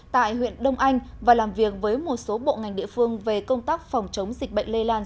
tại huyện đông anh và làm việc với một số bộ ngành địa phương về công tác phòng chống dịch bệnh lây lan